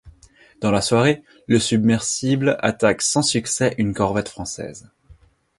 Dans la soirée, le submersible attaque sans succès une corvette française.